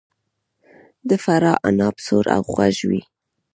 د فراه عناب سور او خوږ وي.